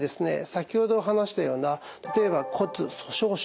先ほど話したような例えば骨粗しょう症。